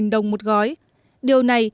một đồng một gói điều này